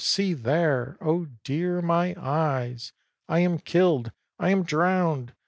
"See there!" "Oh, dear! my eyes!" "I am killed!" "I am drowned!"